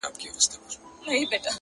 • هم هوښيار وو هم عادل پر خلكو گران وو ,